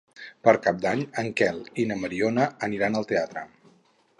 Per Cap d'Any en Quel i na Mariona aniran al teatre.